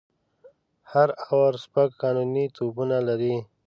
هر آور شپږ قانوني توپونه لري.